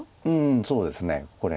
そうですねこれ。